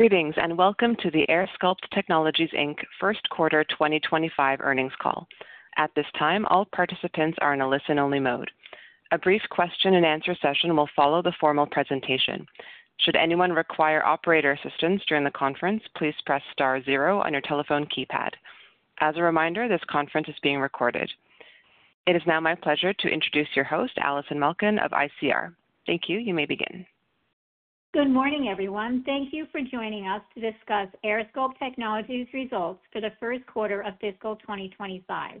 Greetings and welcome to the AirSculpt Technologies first quarter 2025 earnings call. At this time, all participants are in a listen-only mode. A brief question-and-answer session will follow the formal presentation. Should anyone require operator assistance during the conference, please press star zero on your telephone keypad. As a reminder, this conference is being recorded. It is now my pleasure to introduce your host, Alison Melkin of ICR. Thank you. You may begin. Good morning, everyone. Thank you for joining us to discuss AirSculpt Technologies' results for the first quarter of fiscal 2025.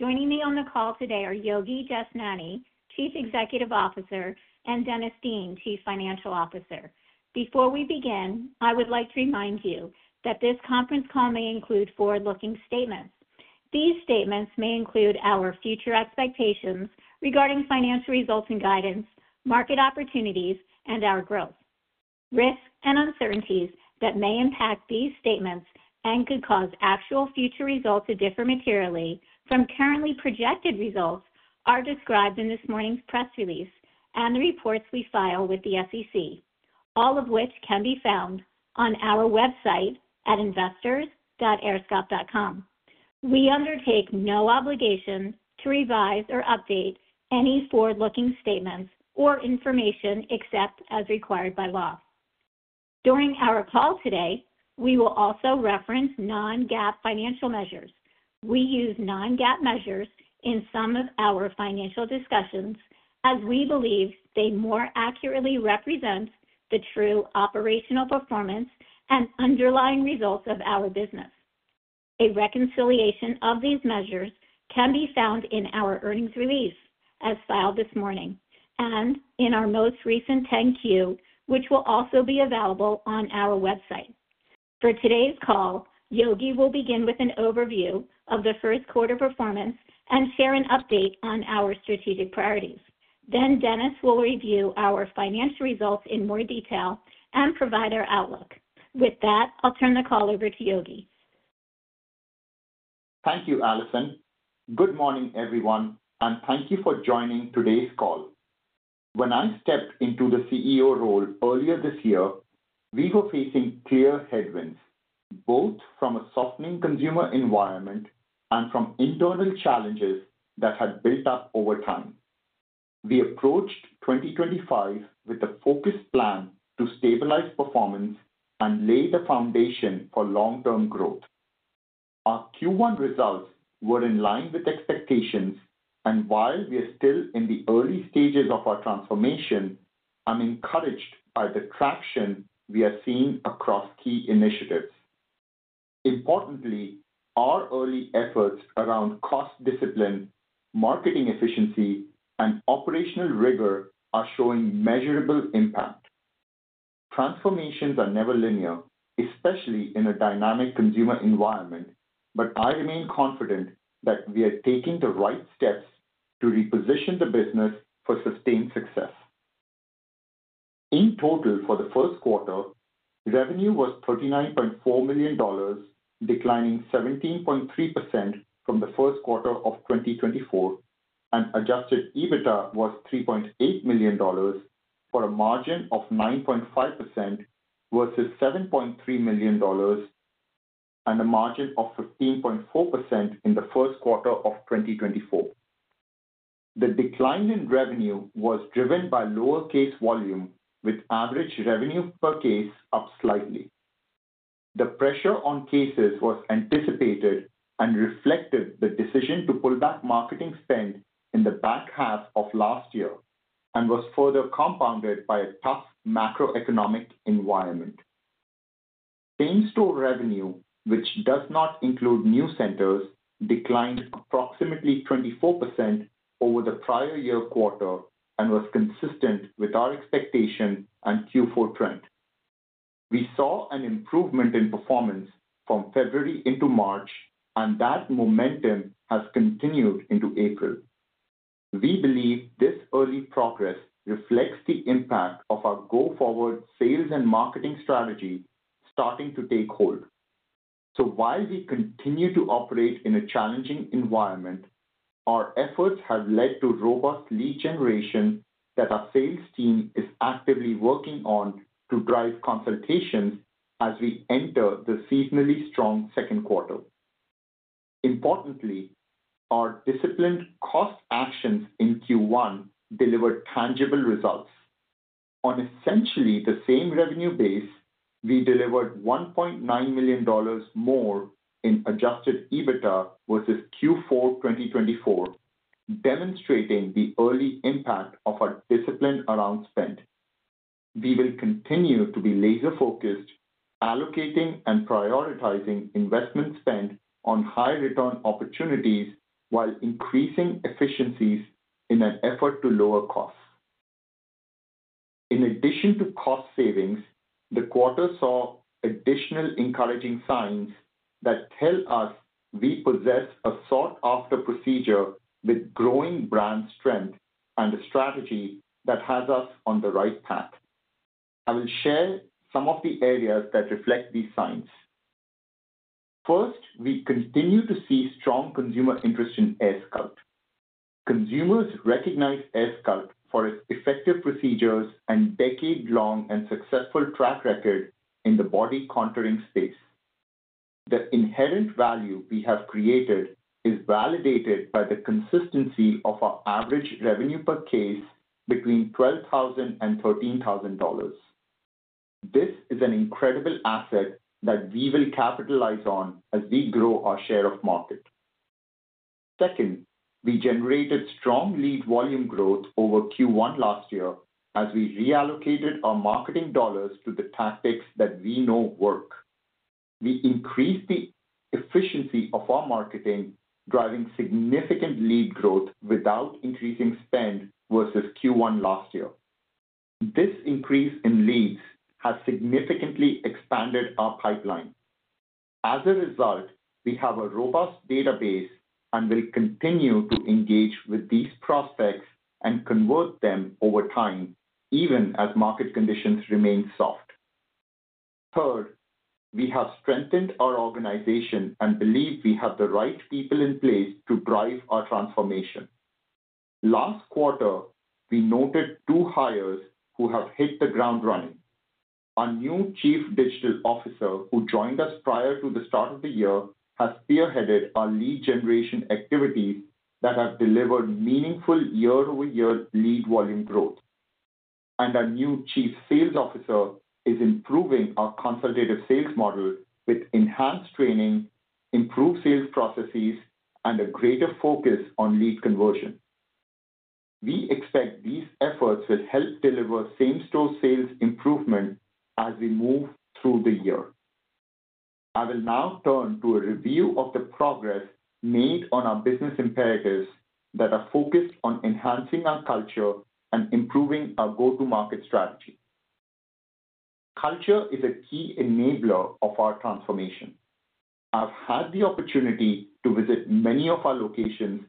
Joining me on the call today are Yogi Jashnani, Chief Executive Officer, and Dennis Dean, Chief Financial Officer. Before we begin, I would like to remind you that this conference call may include forward-looking statements. These statements may include our future expectations regarding financial results and guidance, market opportunities, and our growth. Risks and uncertainties that may impact these statements and could cause actual future results to differ materially from currently projected results are described in this morning's press release and the reports we file with the SEC, all of which can be found on our website at investors.airsculpt.com. We undertake no obligation to revise or update any forward-looking statements or information except as required by law. During our call today, we will also reference non-GAAP financial measures. We use non-GAAP measures in some of our financial discussions as we believe they more accurately represent the true operational performance and underlying results of our business. A reconciliation of these measures can be found in our earnings release as filed this morning and in our most recent 10-Q, which will also be available on our website. For today's call, Yogi will begin with an overview of the first quarter performance and share an update on our strategic priorities. Dennis will review our financial results in more detail and provide our outlook. With that, I'll turn the call over to Yogi. Thank you, Alison. Good morning, everyone, and thank you for joining today's call. When I stepped into the CEO role earlier this year, we were facing clear headwinds, both from a softening consumer environment and from internal challenges that had built up over time. We approached 2025 with a focused plan to stabilize performance and lay the foundation for long-term growth. Our Q1 results were in line with expectations, and while we are still in the early stages of our transformation, I'm encouraged by the traction we are seeing across key initiatives. Importantly, our early efforts around cost discipline, marketing efficiency, and operational rigor are showing measurable impact. Transformations are never linear, especially in a dynamic consumer environment, but I remain confident that we are taking the right steps to reposition the business for sustained success. In total, for the first quarter, revenue was $39.4 million, declining 17.3% from the first quarter of 2024, and adjusted EBITDA was $3.8 million for a margin of 9.5% versus $7.3 million and a margin of 15.4% in the first quarter of 2024. The decline in revenue was driven by lower case volume, with average revenue per case up slightly. The pressure on cases was anticipated and reflected the decision to pull back marketing spend in the back half of last year and was further compounded by a tough macroeconomic environment. Same-store revenue, which does not include new centers, declined approximately 24% over the prior year quarter and was consistent with our expectation and Q4 trend. We saw an improvement in performance from February into March, and that momentum has continued into April. We believe this early progress reflects the impact of our go-forward sales and marketing strategy starting to take hold. While we continue to operate in a challenging environment, our efforts have led to robust lead generation that our sales team is actively working on to drive consultations as we enter the seasonally strong second quarter. Importantly, our disciplined cost actions in Q1 delivered tangible results. On essentially the same revenue base, we delivered $1.9 million more in adjusted EBITDA versus Q4 2024, demonstrating the early impact of our discipline around spend. We will continue to be laser-focused, allocating and prioritizing investment spend on high-return opportunities while increasing efficiencies in an effort to lower costs. In addition to cost savings, the quarter saw additional encouraging signs that tell us we possess a sought-after procedure with growing brand strength and a strategy that has us on the right path. I will share some of the areas that reflect these signs. First, we continue to see strong consumer interest in AirSculpt. Consumers recognize AirSculpt for its effective procedures and decade-long and successful track record in the body contouring space. The inherent value we have created is validated by the consistency of our average revenue per case between $12,000 and $13,000. This is an incredible asset that we will capitalize on as we grow our share of market. Second, we generated strong lead volume growth over Q1 last year as we reallocated our marketing dollars to the tactics that we know work. We increased the efficiency of our marketing, driving significant lead growth without increasing spend versus Q1 last year. This increase in leads has significantly expanded our pipeline. As a result, we have a robust database and will continue to engage with these prospects and convert them over time, even as market conditions remain soft. Third, we have strengthened our organization and believe we have the right people in place to drive our transformation. Last quarter, we noted two hires who have hit the ground running. Our new Chief Digital Officer, who joined us prior to the start of the year, has spearheaded our lead generation activities that have delivered meaningful year-over-year lead volume growth. Our new Chief Sales Officer is improving our consultative sales model with enhanced training, improved sales processes, and a greater focus on lead conversion. We expect these efforts will help deliver same-store sales improvement as we move through the year. I will now turn to a review of the progress made on our business imperatives that are focused on enhancing our culture and improving our go-to-market strategy. Culture is a key enabler of our transformation. I've had the opportunity to visit many of our locations,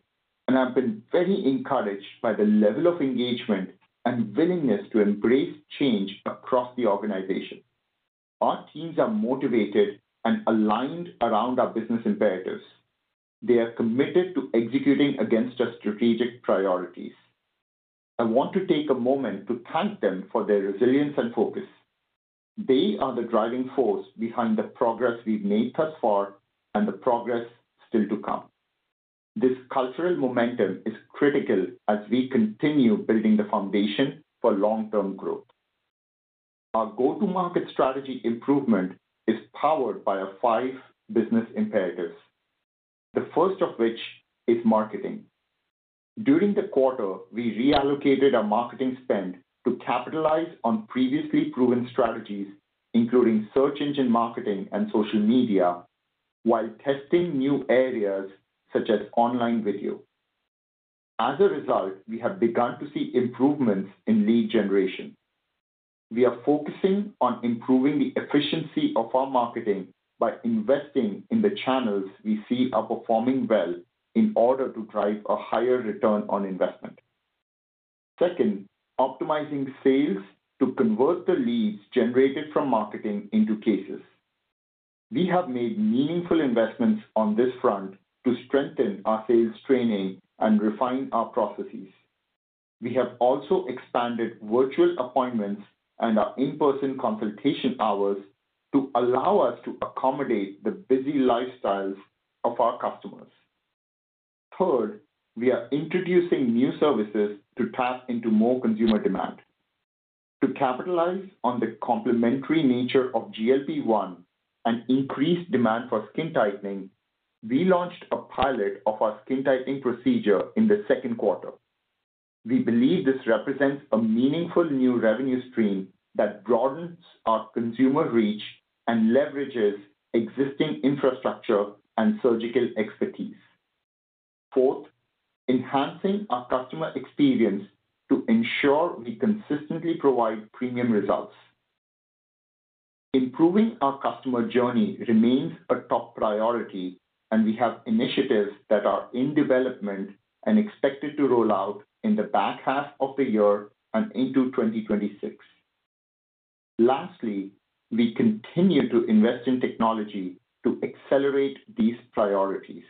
and I've been very encouraged by the level of engagement and willingness to embrace change across the organization. Our teams are motivated and aligned around our business imperatives. They are committed to executing against our strategic priorities. I want to take a moment to thank them for their resilience and focus. They are the driving force behind the progress we've made thus far and the progress still to come. This cultural momentum is critical as we continue building the foundation for long-term growth. Our go-to-market strategy improvement is powered by our five business imperatives, the first of which is marketing. During the quarter, we reallocated our marketing spend to capitalize on previously proven strategies, including search engine marketing and social media, while testing new areas such as online video. As a result, we have begun to see improvements in lead generation. We are focusing on improving the efficiency of our marketing by investing in the channels we see are performing well in order to drive a higher return on investment. Second, optimizing sales to convert the leads generated from marketing into cases. We have made meaningful investments on this front to strengthen our sales training and refine our processes. We have also expanded virtual appointments and our in-person consultation hours to allow us to accommodate the busy lifestyles of our customers. Third, we are introducing new services to tap into more consumer demand. To capitalize on the complementary nature of GLP-1 and increased demand for skin tightening, we launched a pilot of our skin tightening procedure in the second quarter. We believe this represents a meaningful new revenue stream that broadens our consumer reach and leverages existing infrastructure and surgical expertise. Fourth, enhancing our customer experience to ensure we consistently provide premium results. Improving our customer journey remains a top priority, and we have initiatives that are in development and expected to roll out in the back half of the year and into 2026. Lastly, we continue to invest in technology to accelerate these priorities.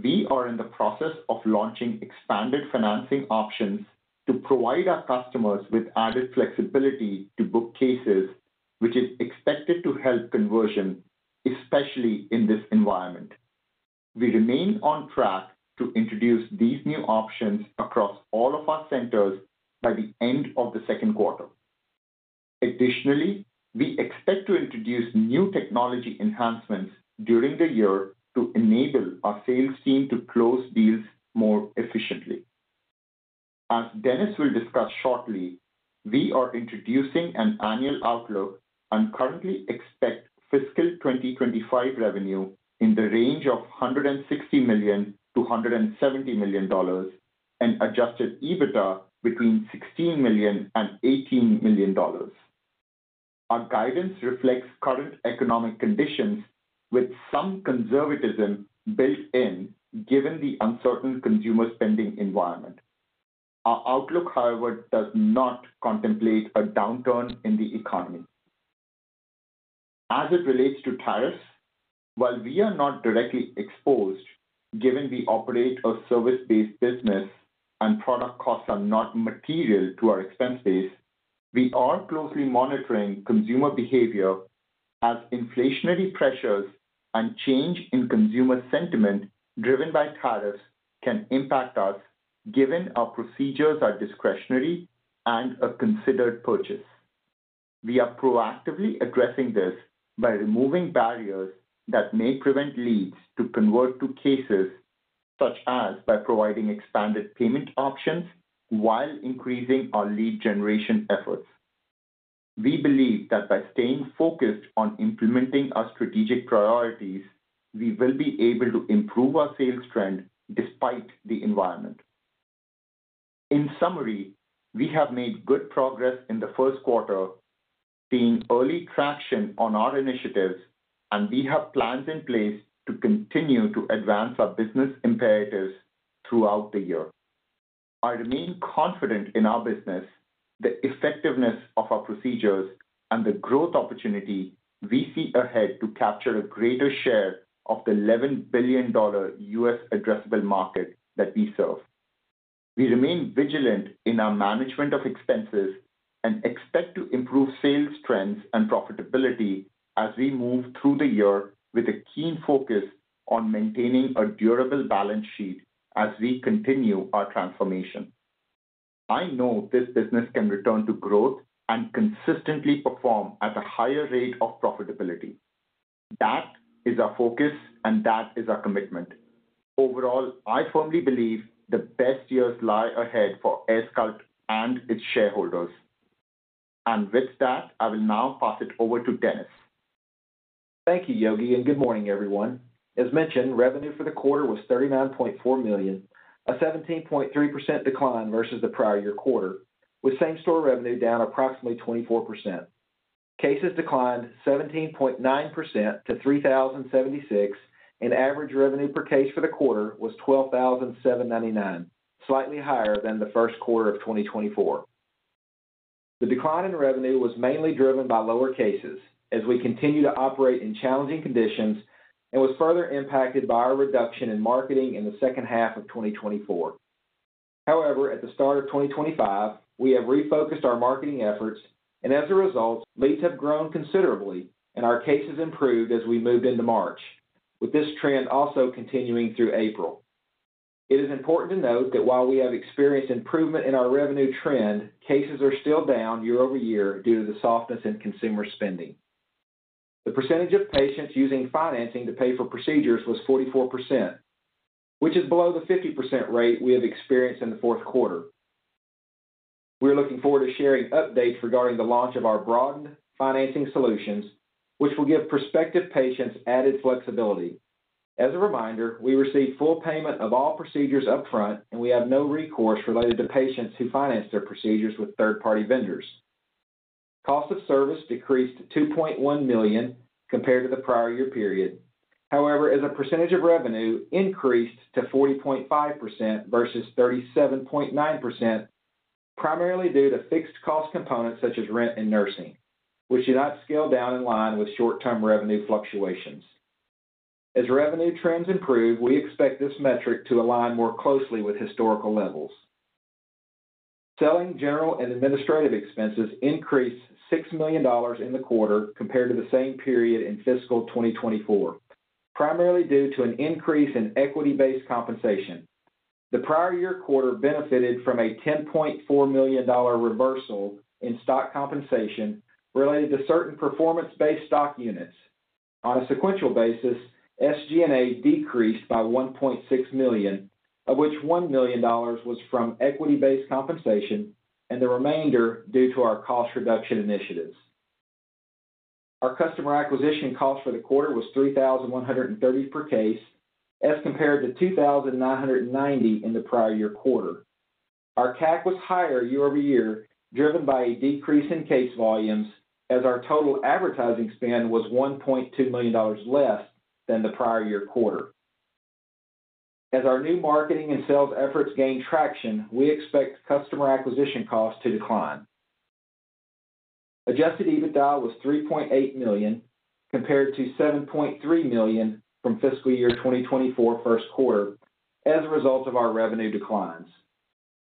We are in the process of launching expanded financing options to provide our customers with added flexibility to book cases, which is expected to help conversion, especially in this environment. We remain on track to introduce these new options across all of our centers by the end of the second quarter. Additionally, we expect to introduce new technology enhancements during the year to enable our sales team to close deals more efficiently. As Dennis will discuss shortly, we are introducing an annual outlook and currently expect fiscal 2025 revenue in the range of $160 million-$170 million and adjusted EBITDA between $16 million-$18 million. Our guidance reflects current economic conditions with some conservatism built in given the uncertain consumer spending environment. Our outlook, however, does not contemplate a downturn in the economy. As it relates to tariffs, while we are not directly exposed, given we operate a service-based business and product costs are not material to our expense base, we are closely monitoring consumer behavior as inflationary pressures and change in consumer sentiment driven by tariffs can impact us given our procedures are discretionary and a considered purchase. We are proactively addressing this by removing barriers that may prevent leads to convert to cases, such as by providing expanded payment options while increasing our lead generation efforts. We believe that by staying focused on implementing our strategic priorities, we will be able to improve our sales trend despite the environment. In summary, we have made good progress in the first quarter, seeing early traction on our initiatives, and we have plans in place to continue to advance our business imperatives throughout the year. I remain confident in our business, the effectiveness of our procedures, and the growth opportunity we see ahead to capture a greater share of the $11 billion US addressable market that we serve. We remain vigilant in our management of expenses and expect to improve sales trends and profitability as we move through the year with a keen focus on maintaining a durable balance sheet as we continue our transformation. I know this business can return to growth and consistently perform at a higher rate of profitability. That is our focus, and that is our commitment. Overall, I firmly believe the best years lie ahead for AirSculpt and its shareholders. With that, I will now pass it over to Dennis. Thank you, Yogi, and good morning, everyone. As mentioned, revenue for the quarter was $39.4 million, a 17.3% decline versus the prior year quarter, with same-store revenue down approximately 24%. Cases declined 17.9% to 3,076, and average revenue per case for the quarter was $12,799, slightly higher than the first quarter of 2024. The decline in revenue was mainly driven by lower cases as we continue to operate in challenging conditions and was further impacted by our reduction in marketing in the second half of 2024. However, at the start of 2025, we have refocused our marketing efforts, and as a result, leads have grown considerably, and our cases improved as we moved into March, with this trend also continuing through April. It is important to note that while we have experienced improvement in our revenue trend, cases are still down year over year due to the softness in consumer spending. The percentage of patients using financing to pay for procedures was 44%, which is below the 50% rate we have experienced in the fourth quarter. We are looking forward to sharing updates regarding the launch of our broadened financing solutions, which will give prospective patients added flexibility. As a reminder, we received full payment of all procedures upfront, and we have no recourse related to patients who finance their procedures with third-party vendors. Cost of service decreased to $2.1 million compared to the prior year period. However, as a percentage of revenue, it increased to 40.5% versus 37.9%, primarily due to fixed cost components such as rent and nursing, which did not scale down in line with short-term revenue fluctuations. As revenue trends improve, we expect this metric to align more closely with historical levels. Selling general and administrative expenses increased $6 million in the quarter compared to the same period in fiscal 2024, primarily due to an increase in equity-based compensation. The prior year quarter benefited from a $10.4 million reversal in stock compensation related to certain performance-based stock units. On a sequential basis, SG&A decreased by $1.6 million, of which $1 million was from equity-based compensation and the remainder due to our cost reduction initiatives. Our customer acquisition cost for the quarter was $3,130 per case, as compared to $2,990 in the prior year quarter. Our CAC was higher year over year, driven by a decrease in case volumes, as our total advertising spend was $1.2 million less than the prior year quarter. As our new marketing and sales efforts gain traction, we expect customer acquisition costs to decline. Adjusted EBITDA was $3.8 million compared to $7.3 million from fiscal year 2024 first quarter, as a result of our revenue declines.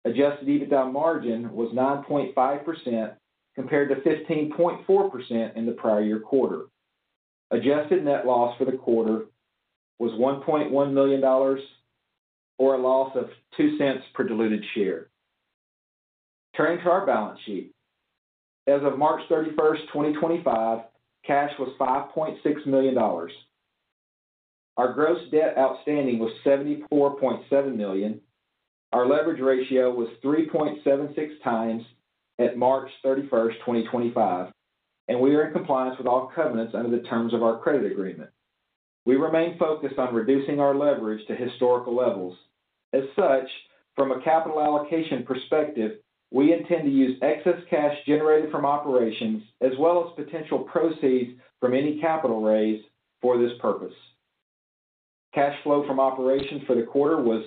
Adjusted EBITDA margin was 9.5% compared to 15.4% in the prior year quarter. Adjusted net loss for the quarter was $1.1 million, or a loss of $0.02 per diluted share. Turning to our balance sheet, as of March 31, 2025, cash was $5.6 million. Our gross debt outstanding was $74.7 million. Our leverage ratio was 3.76 times at March 31, 2025, and we are in compliance with all covenants under the terms of our credit agreement. We remain focused on reducing our leverage to historical levels. As such, from a capital allocation perspective, we intend to use excess cash generated from operations as well as potential proceeds from any capital raised for this purpose. Cash flow from operations for the quarter was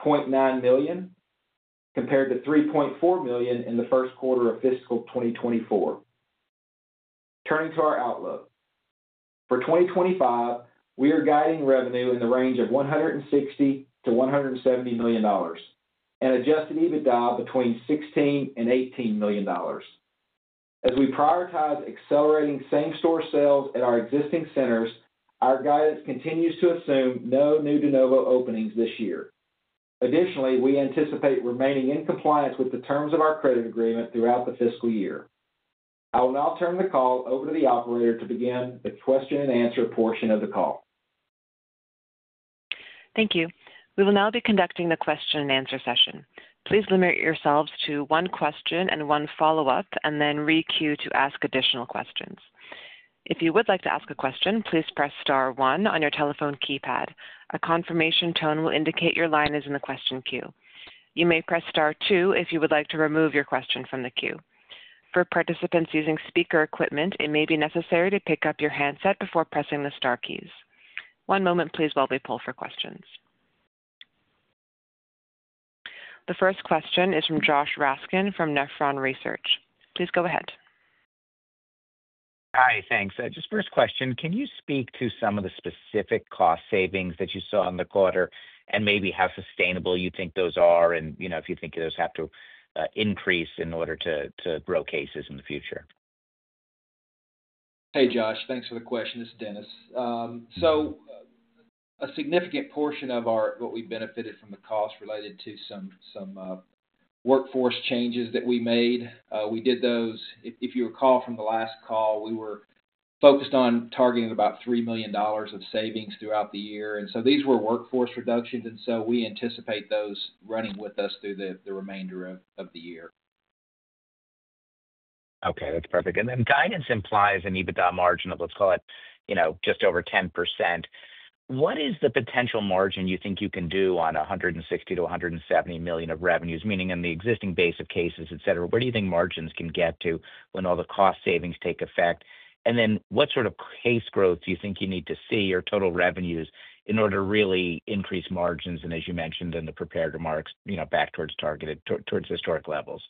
$0.9 million compared to $3.4 million in the first quarter of fiscal 2024. Turning to our outlook, for 2025, we are guiding revenue in the range of $160-$170 million and adjusted EBITDA between $16-$18 million. As we prioritize accelerating same-store sales at our existing centers, our guidance continues to assume no new de novo openings this year. Additionally, we anticipate remaining in compliance with the terms of our credit agreement throughout the fiscal year. I will now turn the call over to the operator to begin the question-and-answer portion of the call. Thank you. We will now be conducting the question-and-answer session. Please limit yourselves to one question and one follow-up, and then re-queue to ask additional questions. If you would like to ask a question, please press star one on your telephone keypad. A confirmation tone will indicate your line is in the question queue. You may press star two if you would like to remove your question from the queue. For participants using speaker equipment, it may be necessary to pick up your handset before pressing the star keys. One moment, please, while we pull for questions. The first question is from Josh Raskin from Nephron Research. Please go ahead. Hi, thanks. Just first question, can you speak to some of the specific cost savings that you saw in the quarter and maybe how sustainable you think those are and if you think those have to increase in order to grow cases in the future? Hey, Josh, thanks for the question. This is Dennis. A significant portion of what we benefited from, the cost related to some workforce changes that we made. We did those. If you recall from the last call, we were focused on targeting about $3 million of savings throughout the year. These were workforce reductions, and we anticipate those running with us through the remainder of the year. Okay, that's perfect. Guidance implies an EBITDA margin of, let's call it, just over 10%. What is the potential margin you think you can do on $160-$170 million of revenues, meaning in the existing base of cases, etc.? Where do you think margins can get to when all the cost savings take effect? What sort of case growth do you think you need to see your total revenues in order to really increase margins and, as you mentioned, then the prepared remarks back towards targeted towards historic levels?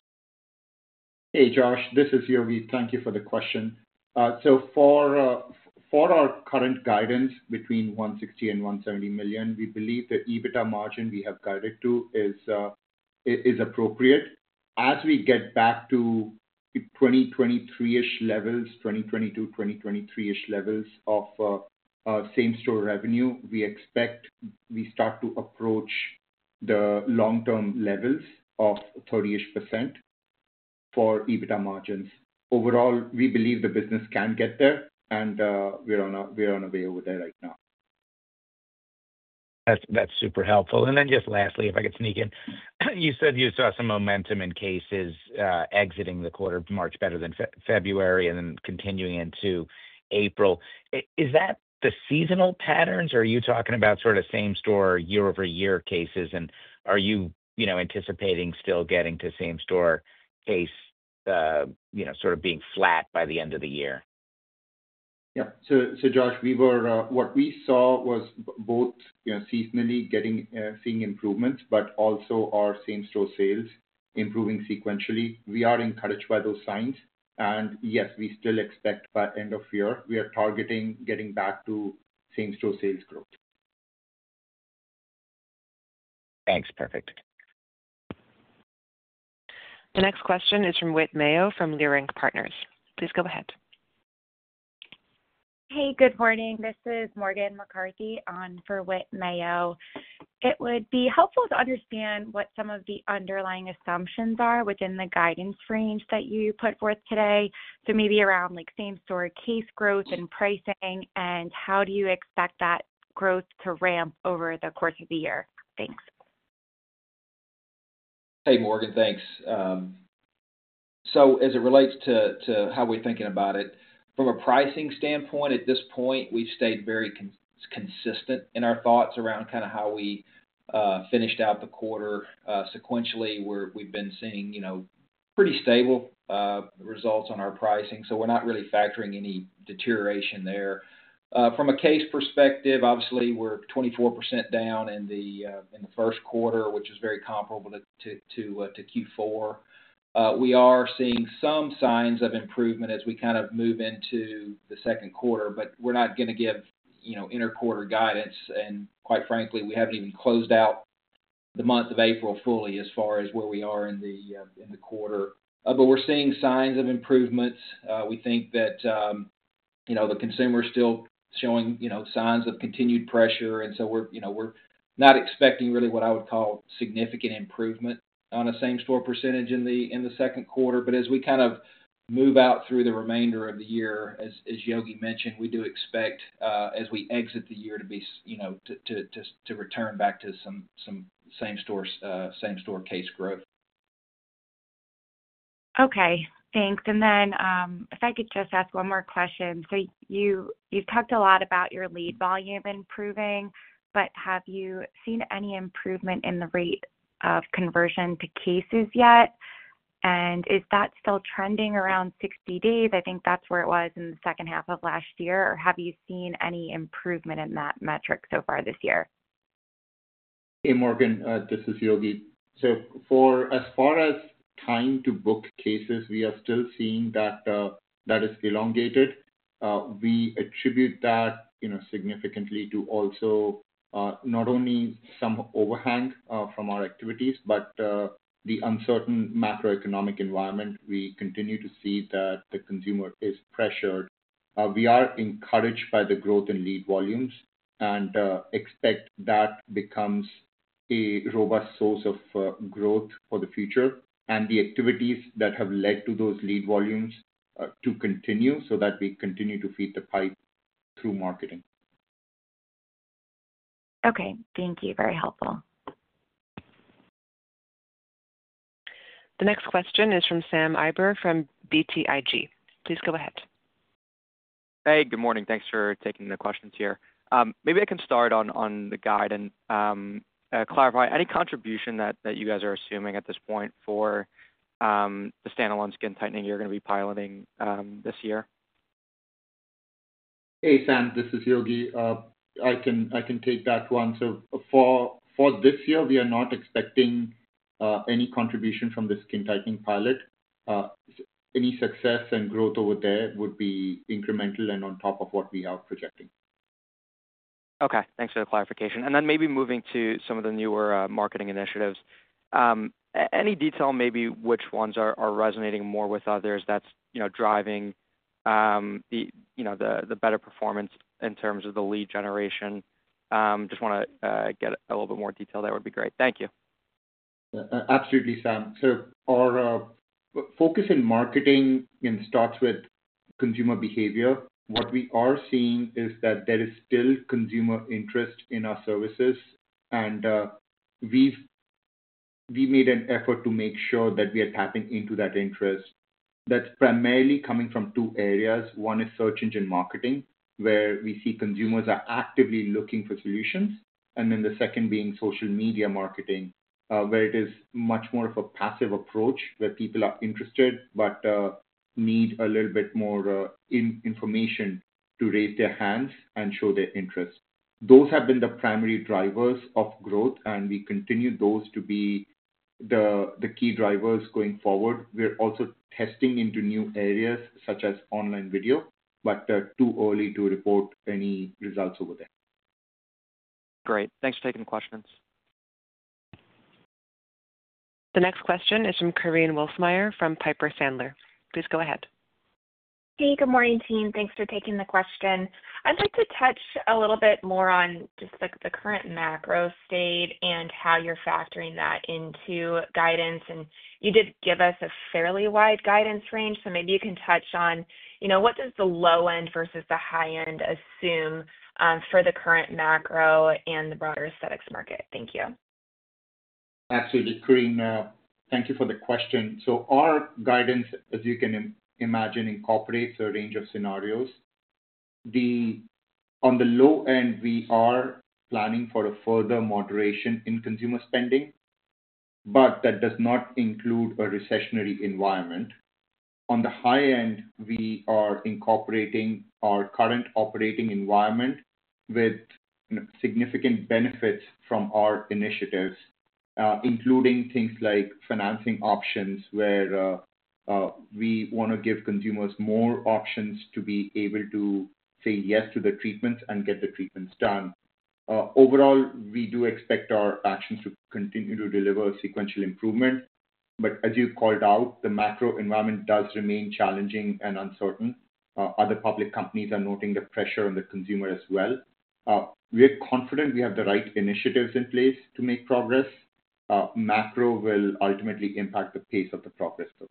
Hey, Josh, this is Yogi. Thank you for the question. For our current guidance between $160 million and $170 million, we believe the EBITDA margin we have guided to is appropriate. As we get back to 2023-ish levels, 2022, 2023-ish levels of same-store revenue, we expect we start to approach the long-term levels of 30-ish % for EBITDA margins. Overall, we believe the business can get there, and we're on a way over there right now. That's super helpful. Just lastly, if I could sneak in, you said you saw some momentum in cases exiting the quarter of March better than February and then continuing into April. Is that the seasonal patterns, or are you talking about sort of same-store year-over-year cases, and are you anticipating still getting to same-store case sort of being flat by the end of the year? Yeah. Josh, what we saw was both seasonally seeing improvements, but also our same-store sales improving sequentially. We are encouraged by those signs. Yes, we still expect by end of year, we are targeting getting back to same-store sales growth. Thanks. Perfect. The next question is from Whit Mayo from Leerink Partners. Please go ahead. Hey, good morning. This is Morgan McCarthy on for Whit Mayo. It would be helpful to understand what some of the underlying assumptions are within the guidance range that you put forth today. Maybe around same-store case growth and pricing, and how do you expect that growth to ramp over the course of the year? Thanks. Hey, Morgan. Thanks. As it relates to how we're thinking about it, from a pricing standpoint, at this point, we've stayed very consistent in our thoughts around kind of how we finished out the quarter sequentially. We've been seeing pretty stable results on our pricing, so we're not really factoring any deterioration there. From a case perspective, obviously, we're 24% down in the first quarter, which is very comparable to Q4. We are seeing some signs of improvement as we kind of move into the second quarter, but we're not going to give interquarter guidance. Quite frankly, we haven't even closed out the month of April fully as far as where we are in the quarter. We're seeing signs of improvements. We think that the consumer is still showing signs of continued pressure, and so we're not expecting really what I would call significant improvement on a same-store percentage in the second quarter. As we kind of move out through the remainder of the year, as Yogi mentioned, we do expect, as we exit the year, to return back to some same-store case growth. Okay. Thanks. If I could just ask one more question. You've talked a lot about your lead volume improving, but have you seen any improvement in the rate of conversion to cases yet? Is that still trending around 60 days? I think that's where it was in the second half of last year. Have you seen any improvement in that metric so far this year? Hey, Morgan. This is Yogi. As far as time to book cases, we are still seeing that that is elongated. We attribute that significantly to also not only some overhang from our activities, but the uncertain macroeconomic environment. We continue to see that the consumer is pressured. We are encouraged by the growth in lead volumes and expect that becomes a robust source of growth for the future and the activities that have led to those lead volumes to continue so that we continue to feed the pipe through marketing. Okay. Thank you. Very helpful. The next question is from Sam EIber from BTIG. Please go ahead. Hey, good morning. Thanks for taking the questions here. Maybe I can start on the guide and clarify any contribution that you guys are assuming at this point for the standalone skin tightening you're going to be piloting this year? Hey, Sam. This is Yogi. I can take that one. For this year, we are not expecting any contribution from the skin tightening pilot. Any success and growth over there would be incremental and on top of what we are projecting. Okay. Thanks for the clarification. Maybe moving to some of the newer marketing initiatives. Any detail on maybe which ones are resonating more with others that's driving the better performance in terms of the lead generation? Just want to get a little bit more detail. That would be great. Thank you. Absolutely, Sam. Our focus in marketing starts with consumer behavior. What we are seeing is that there is still consumer interest in our services, and we made an effort to make sure that we are tapping into that interest. That's primarily coming from two areas. One is search engine marketing, where we see consumers are actively looking for solutions. The second being social media marketing, where it is much more of a passive approach where people are interested but need a little bit more information to raise their hands and show their interest. Those have been the primary drivers of growth, and we continue those to be the key drivers going forward. We're also testing into new areas such as online video, but too early to report any results over there. Great. Thanks for taking the questions. The next question is from Korinne Wolfmeyer from Piper Sandler. Please go ahead. Hey, good morning, team. Thanks for taking the question. I'd like to touch a little bit more on just the current macro state and how you're factoring that into guidance. You did give us a fairly wide guidance range, so maybe you can touch on what does the low-end versus the high-end assume for the current macro and the broader aesthetics market? Thank you. Absolutely, Korinne. Thank you for the question. Our guidance, as you can imagine, incorporates a range of scenarios. On the low end, we are planning for a further moderation in consumer spending, but that does not include a recessionary environment. On the high end, we are incorporating our current operating environment with significant benefits from our initiatives, including things like financing options where we want to give consumers more options to be able to say yes to the treatments and get the treatments done. Overall, we do expect our actions to continue to deliver sequential improvement. As you called out, the macro environment does remain challenging and uncertain. Other public companies are noting the pressure on the consumer as well. We are confident we have the right initiatives in place to make progress. Macro will ultimately impact the pace of the progress, though.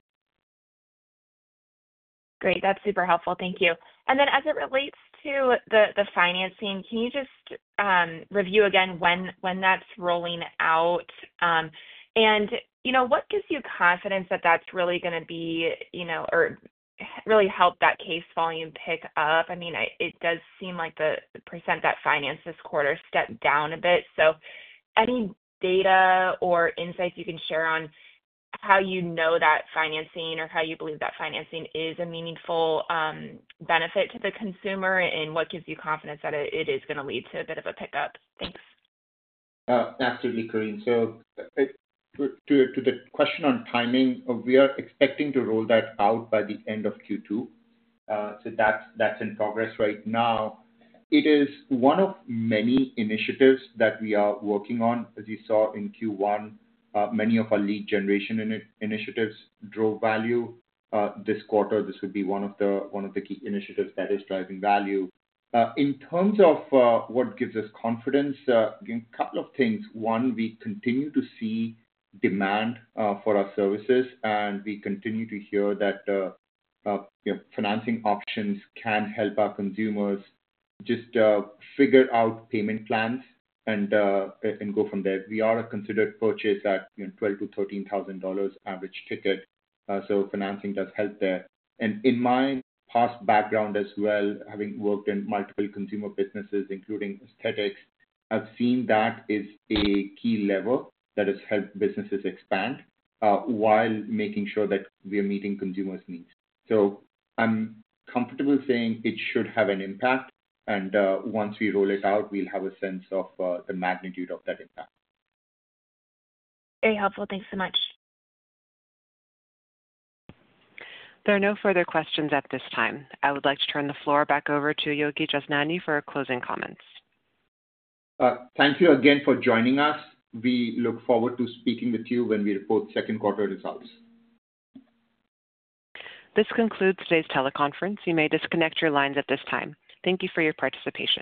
Great. That's super helpful. Thank you. As it relates to the financing, can you just review again when that's rolling out? What gives you confidence that that's really going to be or really help that case volume pick up? I mean, it does seem like the % that financed this quarter stepped down a bit. Any data or insights you can share on how you know that financing or how you believe that financing is a meaningful benefit to the consumer and what gives you confidence that it is going to lead to a bit of a pickup? Thanks. Absolutely, Korinne. To the question on timing, we are expecting to roll that out by the end of Q2. That is in progress right now. It is one of many initiatives that we are working on. As you saw in Q1, many of our lead generation initiatives drove value this quarter. This would be one of the key initiatives that is driving value. In terms of what gives us confidence, a couple of things. One, we continue to see demand for our services, and we continue to hear that financing options can help our consumers just figure out payment plans and go from there. We are a considered purchase at $12,000-$13,000 average ticket. Financing does help there. In my past background as well, having worked in multiple consumer businesses, including aesthetics, I've seen that is a key lever that has helped businesses expand while making sure that we are meeting consumers' needs. I'm comfortable saying it should have an impact, and once we roll it out, we'll have a sense of the magnitude of that impact. Very helpful. Thanks so much. There are no further questions at this time. I would like to turn the floor back over to Yogi Jashnani for closing comments. Thank you again for joining us. We look forward to speaking with you when we report second-quarter results. This concludes today's teleconference. You may disconnect your lines at this time. Thank you for your participation.